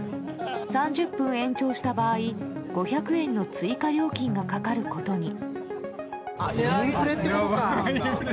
３０分延長した場合、５００円の追加料金がかかることに。